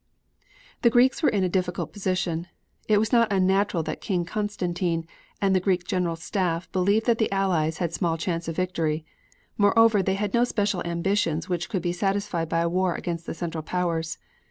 The Greeks were in a difficult position. It was not unnatural that King Constantine and the Greek General Staff believed that the Allies had small chance of victory. Moreover, they had no special ambitions which could be satisfied by a war against the Central Powers.